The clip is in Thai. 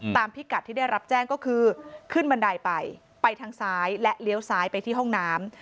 พิกัดที่ได้รับแจ้งก็คือขึ้นบันไดไปไปทางซ้ายและเลี้ยวซ้ายไปที่ห้องน้ำ